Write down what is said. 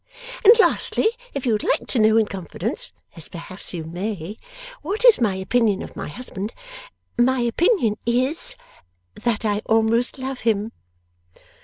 And lastly, if you would like to know in confidence, as perhaps you may, what is my opinion of my husband, my opinion is that I almost love him!